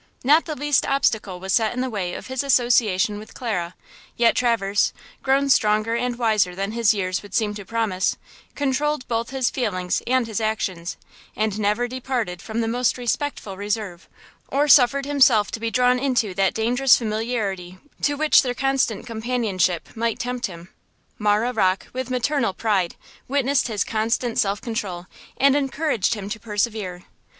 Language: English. Not the least obstacle was set in the way of his association with Clara, yet Traverse, grown stronger and wiser than his years would seem to promise, controlled both his feelings and his actions, and never departed from the most respectful reserve, or suffered himself to be drawn into that dangerous familiarity to which their constant companionship might tempt him. Marah Rocke, with maternal pride, witnessed his constant self control and encouraged him to persevere.